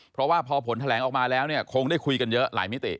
เพราะว่าพอผลแถลงออกมาแล้วเนี่ยคงได้คุยกันเยอะหลายมิติ